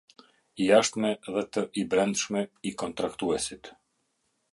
I jashtme dhe të i brendshme, i kontraktuesit.